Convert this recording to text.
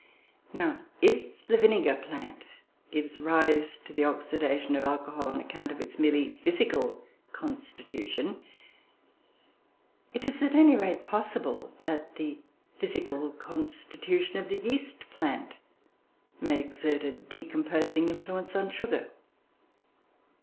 ] Now, if the vinegar plant gives rise to the oxidation of alcohol, on account of its merely physical constitution, it is at any rate possible that the physical constitution of the yeast plant may exert a decomposing influence on sugar.